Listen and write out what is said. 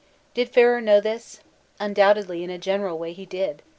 Did Ferrer know this ? Undoubtedly in a general way he did.